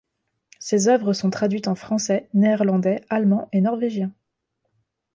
Ses œuvres sont traduites en français, néerlandais, allemand et norvégien.